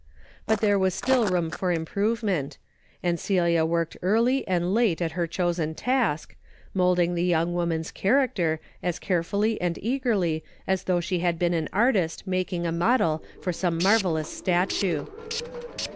But there was still room for im provement, and Celia worked early and late at her chosen task, moulding the young woman's character as carefully and eagerly as though she had been an artist making a model for some marvelous statue.